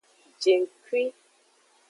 Jengkui.